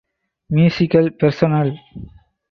Musical personnel